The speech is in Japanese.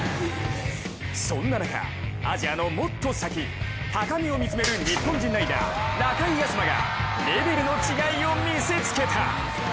そんな中、アジアのもっと先高みを見つめる日本人ライダー中井飛馬がレベルの違いを見せつけた。